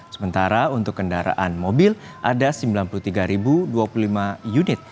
sementara untuk kendaraan mobil ada sembilan puluh tiga dua puluh lima unit